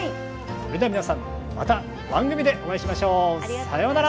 それでは皆さんまた番組でお会いしましょう。さようなら！